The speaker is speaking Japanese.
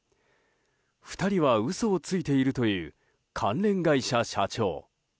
２人は嘘をついているという関連会社社長。